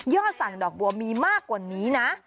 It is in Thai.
สั่งดอกบัวมีมากกว่านี้นะ